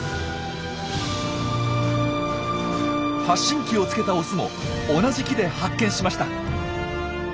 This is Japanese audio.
発信機をつけたオスも同じ木で発見しました。